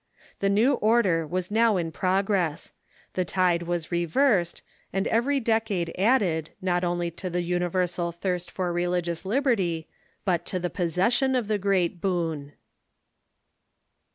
The new order was now in progress. The tide was reversed, and every decade added, not only to the universal thirst for relig ious liberty, but to the possession of the great boon.